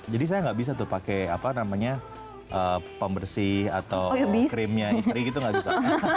jadi saya gak bisa tuh pakai apa namanya pembersih atau krimnya istri gitu gak bisa